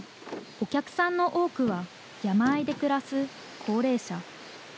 お客さんの多くは、山あいで暮らす高齢者。